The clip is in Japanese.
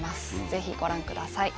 ぜひご覧ください。